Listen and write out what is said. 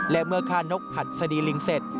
และเมื่อฆ่านกหัดสดีลิงเสร็จ